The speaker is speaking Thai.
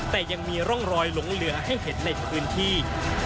แต่ยังมีร่องรอยหลงเหลือให้เห็นในพื้นที่